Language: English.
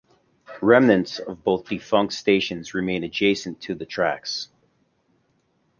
Remnants of both defunct stations remain adjacent to the tracks.